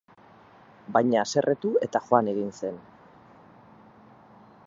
Baina haserretu eta joan egin zen.